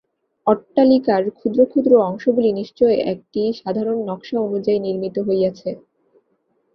অট্টালিকার ক্ষুদ্র ক্ষুদ্র অংশগুলি নিশ্চয় একটি সাধারণ নকশা অনুযায়ী নির্মিত হইয়াছে।